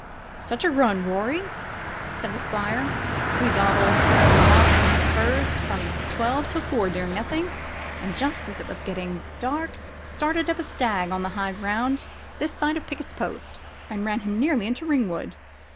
"Such a run, Rorie," cried the Squire; "we dawdled about among the furze from twelve till four doing nothing, and just as it was getting dark started a stag up on the high ground this side of Pickett's Post, and ran him nearly into Ringwood.